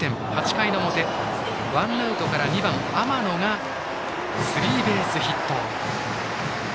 ８回の表、ワンアウトから２番、天野がスリーベースヒット。